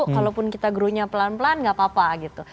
kalaupun kita growth nya pelan pelan gak apa apa gitu